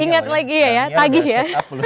ingat lagi ya tagi ya